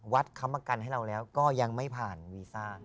วัดเข้ามากันให้เราแล้วก็ยังไม่ผ่านวีซ่า